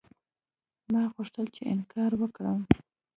ما غوښتل چې انکار وکړم.